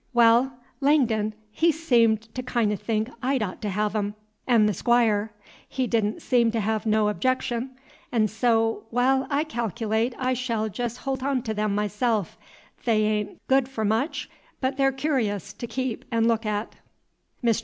"Waal, Langden, he seemed to kin 'o' think I'd ought to have 'em, 'n' the Squire; he did n' seem to have no 'bjection; 'n' so, waal, I calc'late I sh'll jes' holt on to 'em myself; they a'n't good f 'r much, but they're cur'ous t' keep t' look at." Mr.